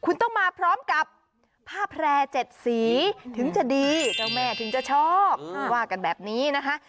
คุณต้องมาพร้อมกับผ้าแพร่๗สีถึงจะดีเจ้าแม่ถึงจะชอบว่ากันแบบนี้นะคะ